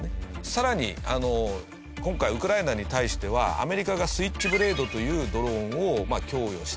さらに今回ウクライナに対してはアメリカがスイッチブレードというドローンを供与して。